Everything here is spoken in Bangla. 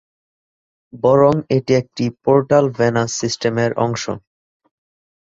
বরং এটি একটি পোর্টাল ভেনাস সিস্টেমের অংশ।